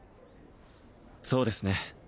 そうですね